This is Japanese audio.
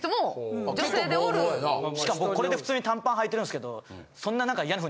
しかも僕これで普通に短パンはいてるんですけど。